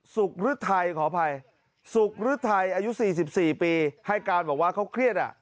สุขฮะหรือไทยขออภัยสุขฮะหรือไทยอายุ๔๔ปีให้การบอกว่าเขาเครียดอ่ะ